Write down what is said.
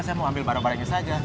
saya mau ambil barang barangnya saja